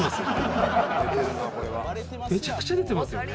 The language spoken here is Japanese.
めちゃくちゃ出てますよね。